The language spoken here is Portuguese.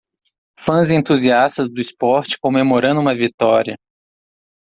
Fãs entusiastas do esporte comemorando uma vitória.